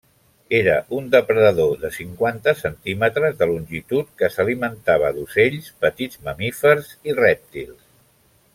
Era un depredador de cinquanta centímetres de longitud que s'alimentava d'ocells, petits mamífers i rèptils.